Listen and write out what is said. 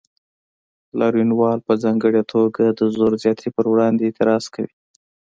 لاریونوال په ځانګړې توګه د زور زیاتي پر وړاندې اعتراض کوي.